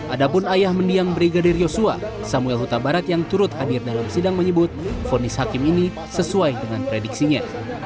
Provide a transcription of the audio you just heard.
adapun ayah mendiang brigadir yosua samuel huta barat yang turut hadir dalam sidang menyebut fonis hakim ini sesuai dengan prediksinya